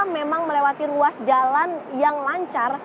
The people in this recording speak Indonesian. memang melewati ruas jalan yang lancar